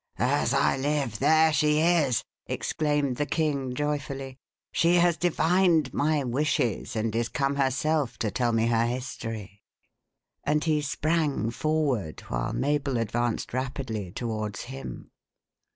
"As I live, there she is!" exclaimed the king joyfully. "She has divined my wishes, and is come herself to tell me her history." And he sprang forward, while Mabel advanced rapidly towards him.